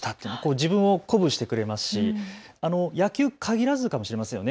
自分を鼓舞してくれますし野球に限らずかもしれませんね。